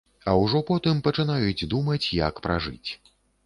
А ўжо потым пачынаюць думаць, як пражыць.